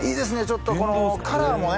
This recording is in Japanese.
ちょっとこのカラーもね